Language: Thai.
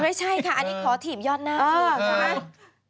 ไม่ใช่ค่ะอันนี้ขอถีบยอดหน้าใช่ไหม